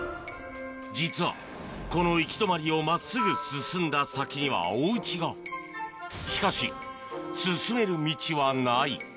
実はこの行き止まりを真っすぐ進んだ先にはおウチがしかし進める道はない